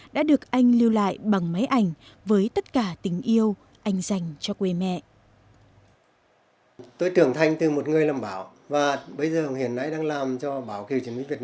đã được anh lưu lại bằng máy ảnh với tất cả tình yêu anh dành cho quê mẹ